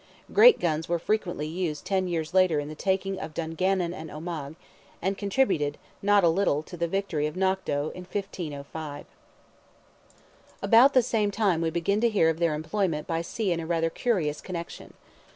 Great guns were freely used ten years later in the taking of Dungannon and Omagh, and contributed, not a little to the victory of Knock doe—in 1505. About the same time we begin to hear of their employment by sea in rather a curious connection.